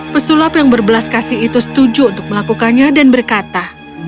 pesulap yang berbelas kasih itu setuju untuk melakukannya dan berkata